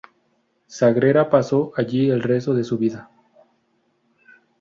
Sagrera pasó allí el resto de su vida.